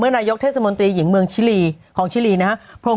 นายกเทศมนตรีหญิงเมืองชิลีของชิลีนะครับ